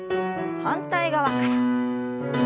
反対側から。